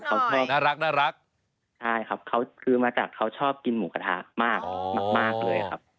อ่าน่ารักหน่อยน่ารักใช่ครับเขาคือมาจากเขาชอบกินหมูกระทะมากเลยครับ